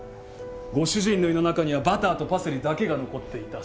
ご主人の胃の中にはバターとパセリだけが残っていた。